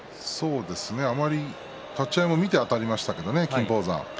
あまり立ち合いも見てあたりましたけどね、金峰山。